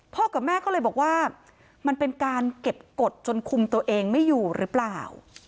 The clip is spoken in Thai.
กับแม่ก็เลยบอกว่ามันเป็นการเก็บกฎจนคุมตัวเองไม่อยู่หรือเปล่า